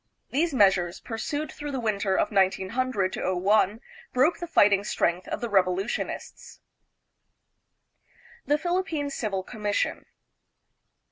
These measures, pursued through the winter of 1900 01, broke the fighting strength of the revolutionists. The Philippine Civil Commission.